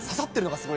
すごい。